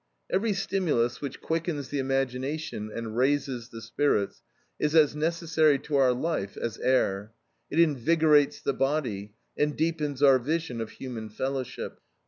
Every stimulus which quickens the imagination and raises the spirits, is as necessary to our life as air. It invigorates the body, and deepens our vision of human fellowship.